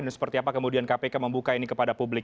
dan seperti apa kemudian kpk membuka ini kepada publik